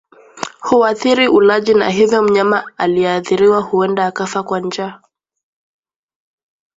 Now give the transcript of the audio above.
Huathiri ulaji na hivyo mnyama aliyeathiriwa huenda akafa kwa njaa